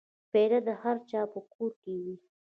پیاله د هرچا په کور کې وي.